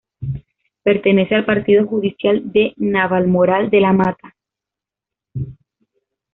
Pertenece al partido judicial de Navalmoral de la Mata.